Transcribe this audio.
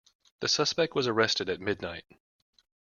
The suspect was arrested at midnight